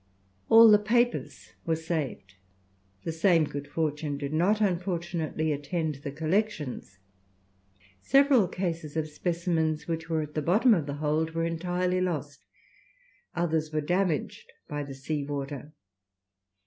All the papers were saved. The same good fortune did not, unfortunately, attend the collections. Several cases of specimens which were at the bottom of the hold were entirely lost; others were damaged by the sea water.